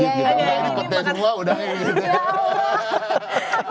udang petai semua udangnya ini